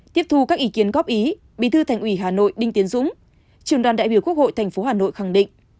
tiếp thu các ý kiến góp ý bí thư thành ủy hà nội đinh tiến dũng trường đoàn đại biểu quốc hội tp hà nội khẳng định